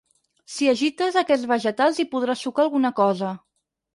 Si agites aquests vegetals hi podràs sucar alguna cosa.